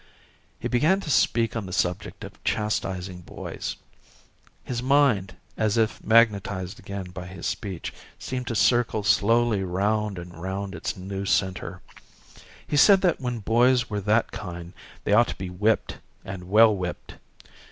He began to speak on the subject of chastising boys. His mind, as if magnetised again by his speech, seemed to circle slowly round and round its new centre. He said that when boys were that kind they ought to be whipped and well whipped.